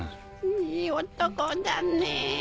いい男だねぇ。